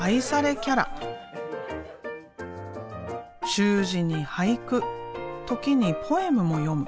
習字に俳句時にポエムも詠む。